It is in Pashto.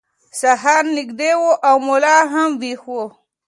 سهار نږدې و او ملا هم ویښ و.